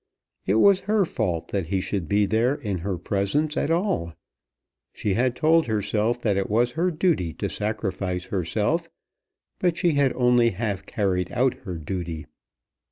It was her fault that he should be there in her presence at all. She had told herself that it was her duty to sacrifice herself, but she had only half carried out her duty.